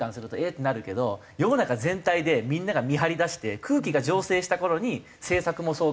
ってなるけど世の中全体でみんなが見張りだして空気が醸成した頃に政策もそう変えるみたいな。